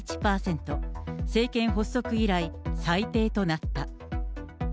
政権発足以来最低となった。